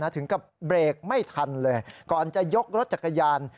ถึงกับเบรกไม่ทันเลยก่อนจะยกรถจักรยาน